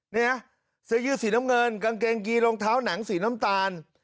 นี่นะเสื้อยืดสีน้ำเงินกางเกงกีรองเท้าหนังสีน้ำตาล